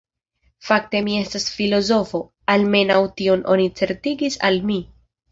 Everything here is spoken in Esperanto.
Fakte mi estas filozofo, almenaŭ tion oni certigis al mi.